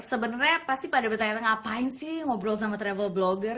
sebenarnya pasti pada bertanya tanya ngapain sih ngobrol sama travel blogger